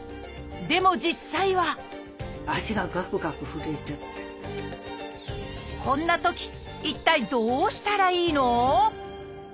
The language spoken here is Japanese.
でも実際はこんなとき一体どうしたらいいの？